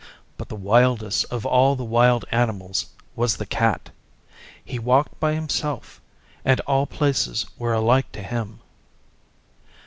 But the wildest of all the wild animals was the Cat. He walked by himself, and all places were alike to him.